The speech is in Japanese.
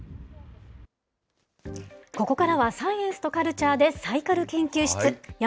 ここからはサイエンスとカルチャーでサイカル研究室。